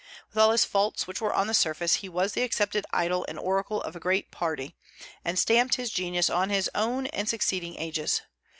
With all his faults, which were on the surface, he was the accepted idol and oracle of a great party, and stamped his genius on his own and succeeding ages.